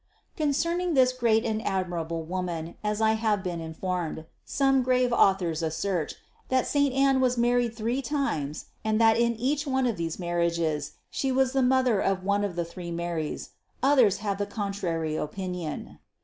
724. Concerning this great and admirable woman, as I have been informed, some grave authors assert, that saint Anne was married three times and that in each one of these marriages she was the mother of one of the three Marys; others have the contrary opinion.